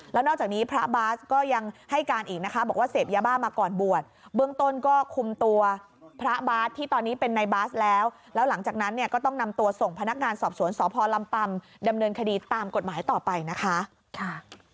แล้วนอกจากนี้พระบาสก็ยังให้การอีกนะคะบอกว่าเสพยาบ้ามาก่อนบวชเบื้องต้นก็คุมตัวพระบาทที่ตอนนี้เป็นในบาสแล้วแล้วหลังจากนั้นเนี่ยก็ต้องนำตัวส่งพนักงานสอบสวนสพลำปำดำเนินคดีตามกฎหมายต่อไปนะคะ